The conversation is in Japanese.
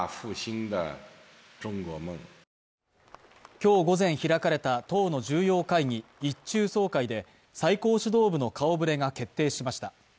今日午前開かれた党の重要会議、一中総会で最高指導部の顔ぶれが決定しました。